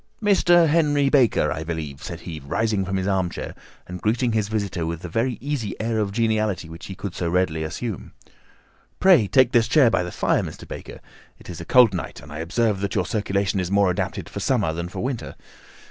"Mr. Henry Baker, I believe," said he, rising from his armchair and greeting his visitor with the easy air of geniality which he could so readily assume. "Pray take this chair by the fire, Mr. Baker. It is a cold night, and I observe that your circulation is more adapted for summer than for winter.